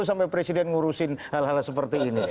sampai presiden ngurusin hal hal seperti ini